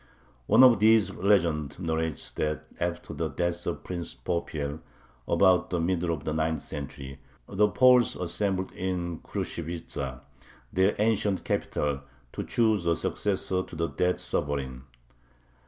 One of these legends narrates that, after the death of Prince Popiel, about the middle of the ninth century, the Poles assembled in Krushvitza, their ancient capital, to choose a successor to the dead sovereign.